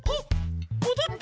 もどった！